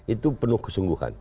itu penuh kesungguhan